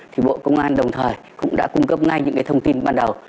thì bộ công an đồng thời cũng đã cung cấp ngay những thông tin ban đầu